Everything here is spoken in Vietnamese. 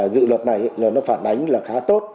dự luật này là nó phản ánh là khá tốt